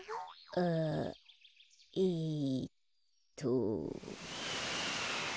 あえっと。